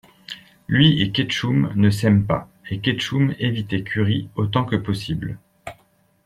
Lui et Ketchum ne s'aiment pas, et Ketchum évitait Curry autant que possible.